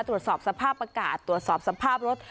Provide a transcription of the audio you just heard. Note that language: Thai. ตรวจสอบสภาพอากาศตรวจสอบสภาพรถ